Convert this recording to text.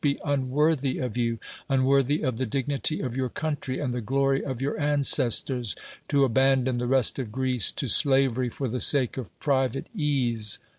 be unworthy of you, unworthy of the dignity of your country, and the glory of your ancestors, to abandon the rest of Greece to slavery for the sake of private ease.